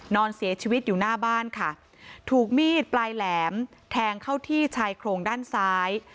นอนเสียชีวิตอยู่หน้าบ้านค่ะถูกมีดปลายแหลมแทงเข้าที่ชายโครงด้านซ้าย